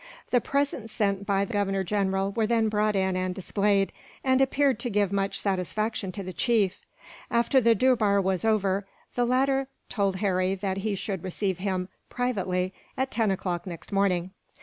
The presents sent by the Governor General were then brought in and displayed, and appeared to give much satisfaction to the chief. After the durbar was over, the latter told Harry that he would receive him, privately, at ten o'clock next morning.